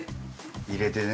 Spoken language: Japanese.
入れてね。